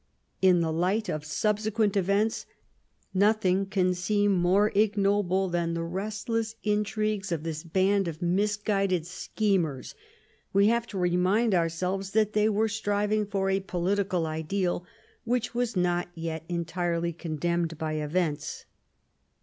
In the light of subse quent events nothing can seem more ignoble than the restless intrigues of this band of misguided schemers. i86 QUEEN ELIZABETH. We have to remind ourselves that they were striving for a political ideal which was not yet entirely condemned by events.